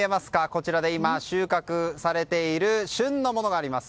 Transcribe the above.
こちらで今、収穫されている旬のものがあります。